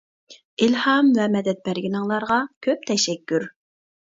ئىلھام ۋە مەدەت بەرگىنىڭلارغا كۆپ تەشەككۈر.